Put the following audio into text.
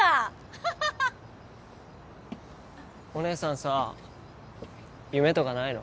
ハハハお姉さんさ夢とかないの？